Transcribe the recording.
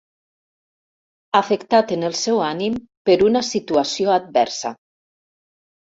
Afectat en el seu ànim, per una situació adversa.